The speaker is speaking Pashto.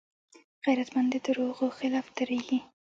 غیرتمند د دروغو خلاف دریږي